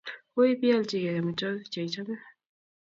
Wui ipialchigei amitwogik che ichame